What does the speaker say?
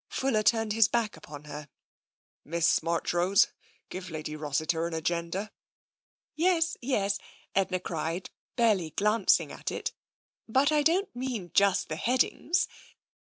" Fuller turned his back upon her. " Miss Marchrose, give Lady Rossiter an agenda." " Yes, yes," Edna cried, barely glancing at it, " but I don't mean just the headings.